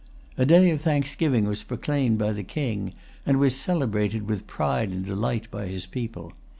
A day of thanksgiving was proclaimed by the King, and was celebrated with pride and delight by his people.